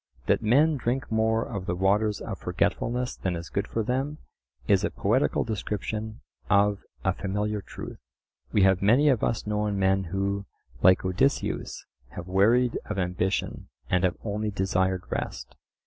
That men drink more of the waters of forgetfulness than is good for them is a poetical description of a familiar truth. We have many of us known men who, like Odysseus, have wearied of ambition and have only desired rest.